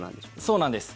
そうなんです。